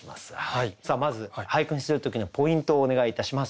さあまず俳句にする時のポイントをお願いいたします。